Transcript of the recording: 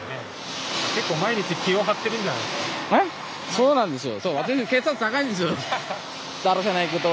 そうなんですよ。